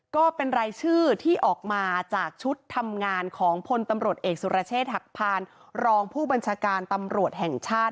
ก็เป็นรายชื่อที่ออกมาจากชุดทำงานของพลตำรวจเอกสุรเชษฐ์หักพานรองผู้บัญชาการตำรวจแห่งชาติ